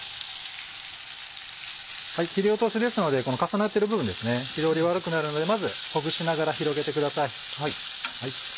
切り落としですのでこの重なってる部分ですね火通り悪くなるのでまずほぐしながら広げてください。